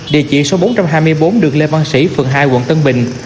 địa chỉ số bốn trăm hai mươi bốn đường lê văn sĩ phường hai quận tân bình